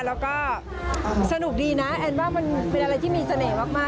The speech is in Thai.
แล้วก็สนุกดีนะนั่นบ้างเป็นอะไรที่มีเสน่ห์มากเลยค่ะ